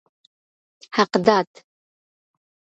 حقداد